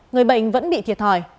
người bệnh vẫn bị thiệt hỏi